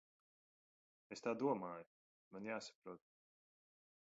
Es tā domāju. Man jāsaprot.